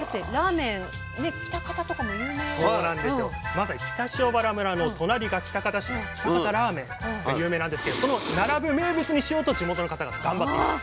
まさに北塩原村の隣が喜多方市喜多方ラーメンで有名なんですけど並ぶ名物にしようと地元の方が頑張っています。